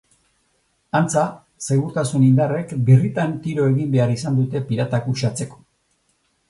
Antza, segurtasun indarrek birritan tiro egin behar izan dute piratak uxatzeko.